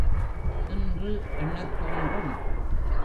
என்று எண்ணத் தோன்றும்.